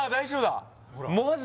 マジ！？